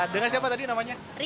dengan siapa tadi namanya